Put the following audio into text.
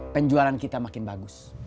penjualan kita makin bagus